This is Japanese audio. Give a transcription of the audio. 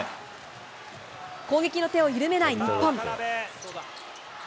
攻撃の手を緩めない日本。